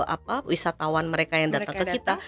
apa wisatawan mereka yang datang ke kita